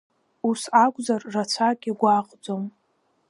Ус акәзар, рацәак игәаҟӡом!